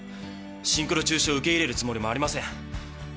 シンクロ中止を受け入れるつもりもありません。